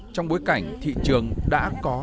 trong bối cảnh thị trường đã có